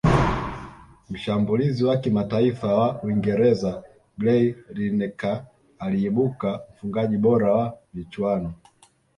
Mshambulizi wa kimataifa wa uingereza gary lineker aliibuka mfungaji bora wa michuano